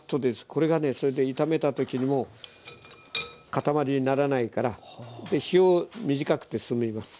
これがね炒めた時にもう固まりにならないから火を短くてすみます。